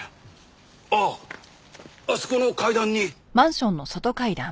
あああそこの階段に。